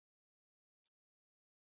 د شیدو چای ښه خواړه دي.